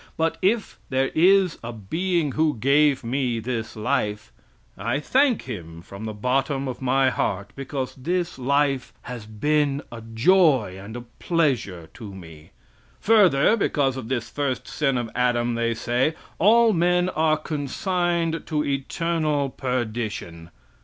But if there is a Being who gave me this life, I thank Him from the bottom of my heart because this life has been a joy and a pleasure to me. Further, because of this first sin of Adam, they say, all men are consigned to eternal perdition!